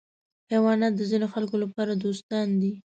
حیوانات د ځینو خلکو لپاره دوستان دي.